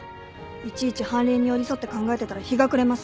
いちいち判例に寄り添って考えてたら日が暮れます。